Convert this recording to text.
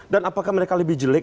dan apakah mereka lebih jelek